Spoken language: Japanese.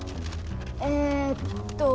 えっと。